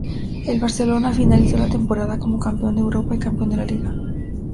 El Barcelona finalizó la temporada como campeón de Europa y campeón de la Liga.